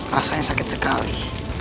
rasanya sakit sekali